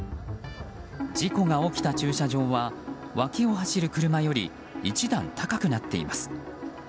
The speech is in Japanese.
事故が起きた駐車場は脇を走る車より１段高くなっています。